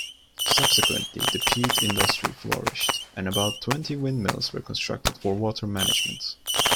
Subsequently the peat industry flourished, and about twenty windmills were constructed for water management.